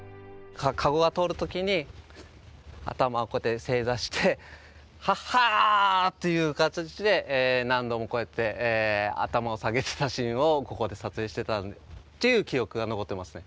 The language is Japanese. かごが通る時に頭こうやって正座してはは！という形で何度もこうやって頭を下げてたシーンをここで撮影してたっていう記憶が残ってますね。